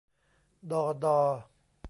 ดอ ฎอ